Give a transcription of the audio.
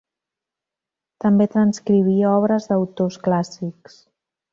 També transcriví obres d'autors clàssics.